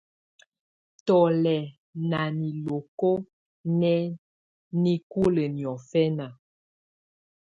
Tù lɛ̀ nà niloko nɛ̀ nikulǝ́ niɔ̀fɛna.